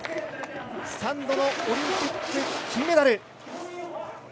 ３度のオリンピック金メダル。